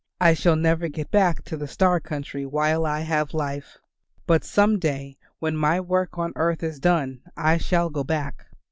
I shall never get back to the star country while I have life. But some day when my work on earth is done I shall go back.